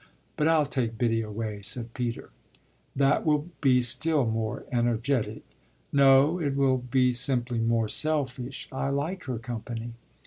But I'll take Biddy away," said Peter. "That will be still more energetic." "No, it will be simply more selfish I like her company."